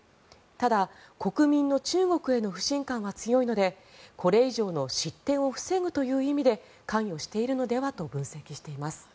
ただ、国民の中国への不信感は強いのでこれ以上の失点を防ぐという意味で関与しているのではと分析しています。